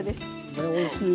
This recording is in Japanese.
ねえおいしい。